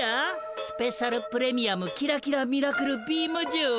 スペシャル・プレミアムキラキラ・ミラクル・ビームじゅうは。